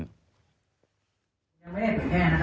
ถ้าผมอยากได้เงิน